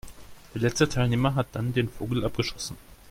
Der letzte Teilnehmer hat dann den Vogel abgeschossen.